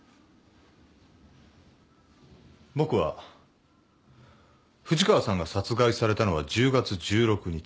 僕は藤川さんが殺害されたのは１０月１６日。